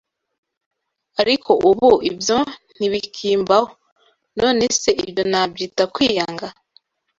Ariko ubu ibyo ntibikimbaho; nonese ibyo nabyita kwiyanga